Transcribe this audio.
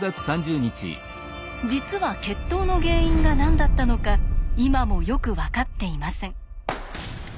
実は決闘の原因が何だったのか今もよく分かっていません。